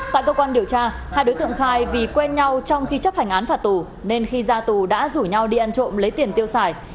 tại cơ quan điều tra hai đối tượng khai vì quen nhau trong khi chấp hành án phạt tù nên khi ra tù đã rủ nhau đi ăn trộm lấy tiền tiêu xài